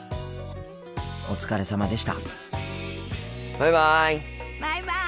お疲れさまでした。